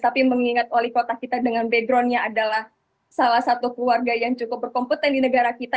tapi mengingat wali kota kita dengan backgroundnya adalah salah satu keluarga yang cukup berkompeten di negara kita